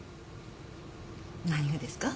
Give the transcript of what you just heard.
何がですか？